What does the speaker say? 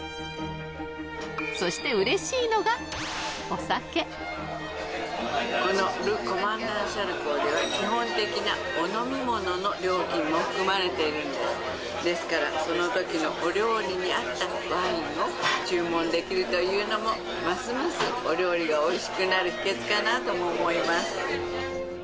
そしてこのル・コマンダン・シャルコーでは基本的なお飲み物の料金も含まれているんですですからその時のお料理に合ったワインを注文できるというのもますますお料理がおいしくなる秘訣かなとも思います